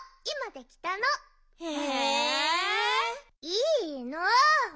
いいの！